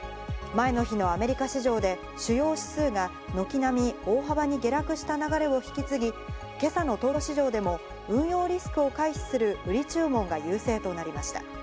前の日のアメリカ市場で主要指数が軒並み大幅に下落した流れを引き継ぎ、今朝の東京市場でも運用リスクを回避する売り注文が優勢となりました。